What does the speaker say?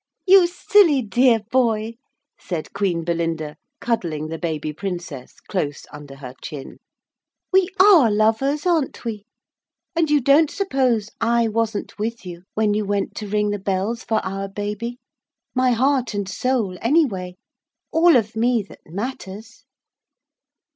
'You silly dear boy,' said Queen Belinda, cuddling the baby princess close under her chin, 'we are lovers, aren't we? And you don't suppose I wasn't with you when you went to ring the bells for our baby my heart and soul anyway all of me that matters!'